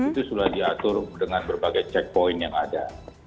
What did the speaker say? itu sudah diatur dengan berbagai checkpoint yang ada